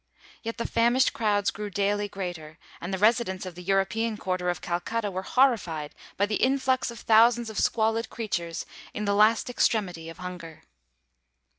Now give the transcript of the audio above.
Yet the famished crowds grew daily greater, and the residents of the European quarter of Calcutta were horrified by the influx of thousands of squalid creatures in the last extremity of hunger.